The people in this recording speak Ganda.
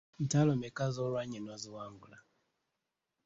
Ntalo meka z’olwanye n’oziwangula?